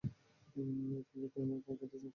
এই, তোমরা কি আমার পাই খেতে চাও?